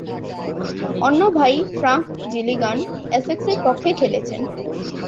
অন্য ভাই Frank Gilligan এসেক্সের পক্ষে খেলেছেন।